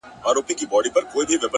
پوهه د فکر ژورتیا زیاتوي!